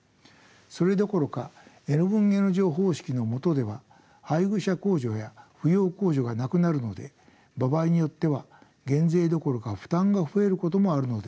それどころかＮ分Ｎ乗方式の下では配偶者控除や扶養控除がなくなるので場合によっては減税どころか負担が増えることもあるのです。